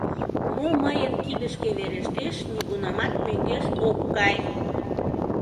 Мо мыйын кидышке верештеш — нигунамат мӧҥгеш ок кай!..